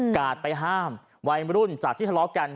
กาดไปห้ามวัยรุ่นจากที่ทะเลาะกัน